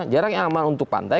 jarak yang aman untuk pantai